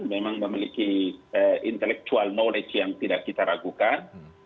memang memiliki intellectual knowledge yang tidak kita ragukan